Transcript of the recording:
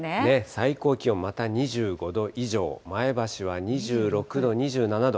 最高気温、また２５度以上、前橋は２６度、２７度。